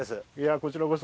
こちらこそ。